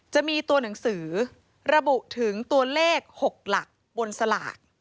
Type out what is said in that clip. จะมีตัวหนังสือระบุถึงตัวเลข๖หลักบนสลาก